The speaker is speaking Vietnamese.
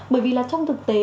bởi vì là trong thực tế